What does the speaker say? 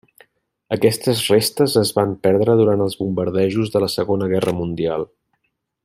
Aquestes restes es van perdre durant els bombardejos de la Segona Guerra Mundial.